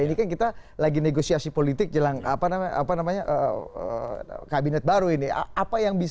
ini kan kita lagi negosiasi politik jelang kabinet baru ini